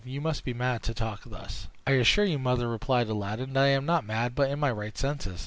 You must be mad to talk thus." "I assure you, mother," replied Aladdin, "that I am not mad, but in my right senses.